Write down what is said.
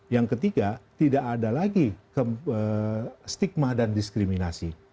yang ketiga tidak ada lagi stigma dan diskriminasi